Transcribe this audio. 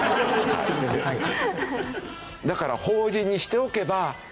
だから法人にしておけば。